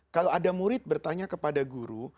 kalau ada murid bertanya kepada guru